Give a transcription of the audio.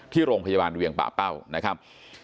ที่โรงพยาบาลเวียงป่าเป้านะครับ